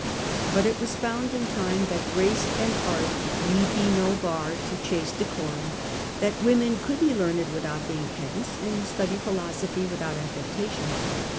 But it was found in time that grace and art need be no 221 Moral Standard of the Age. bar to chaste decorum, that women could be learned without being pedants, and study philosophy without affectation.